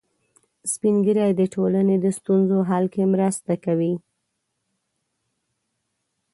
سپین ږیری د ټولنې د ستونزو حل کې مرسته کوي